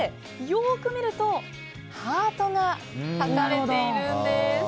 よく見るとハートが描かれているんです。